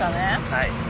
はい。